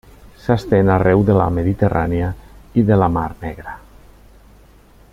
S'estén arreu de la Mediterrània i de la Mar Negra.